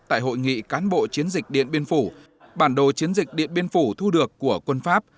tại hội nghị cán bộ chiến dịch điện biên phủ bản đồ chiến dịch điện biên phủ thu được của quân pháp